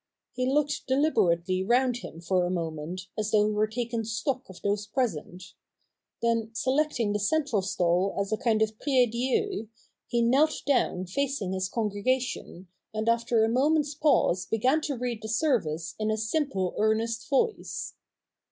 He looked deliberately round him for a moment, as though he were taking stock of those present ; then, selecting the central stall as a kind of prie dieu, he knelt down facing his congregation, and after a moment's pause began to read the service in a simple earnest voice.